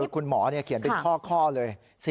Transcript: คุณหมอเขียนเป็นข้อเลย